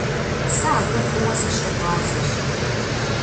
Сэ абы фӀыуэ сыщыгъуазэщ!